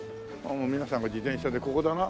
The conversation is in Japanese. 皆さんが自転車でここだな。